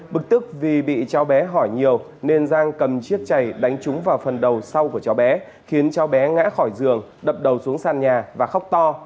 bực tức vì bị cháu bé hỏi nhiều nên giang cầm chiếc chảy đánh trúng vào phần đầu sau của cháu bé khiến cháu bé ngã khỏi giường đập đầu xuống sàn nhà và khóc to